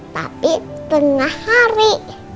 tapi tengah hari